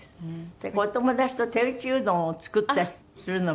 それからお友達と手打ちうどんを作ったりするのも。